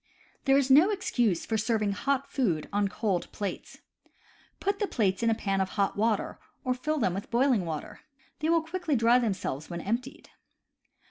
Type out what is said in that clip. There is no excuse for serving hot food on cold plates. Put the plates in a pan of hot water, or fill them with boiling water. They will quickly dry themselves when emptied.